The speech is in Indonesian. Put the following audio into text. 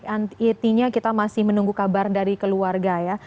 intinya kita masih menunggu kabar dari keluarga ya